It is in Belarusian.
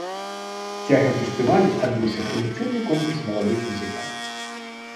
Цягам фестывалю адбываўся традыцыйны конкурс маладых музыкаў.